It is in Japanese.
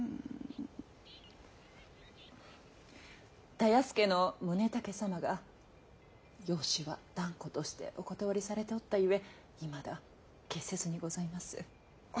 田安家の宗武様が養子は断固としてお断りされておったゆえいまだ決せずにございます。